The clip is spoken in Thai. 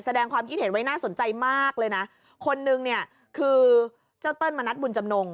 แสดงความคิดเห็นไว้น่าสนใจมากเลยนะคนนึงเนี่ยคือเจ้าเติ้ลมณัฐบุญจำนง